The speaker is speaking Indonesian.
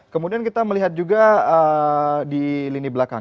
kemudian kita melihat juga di lini belakang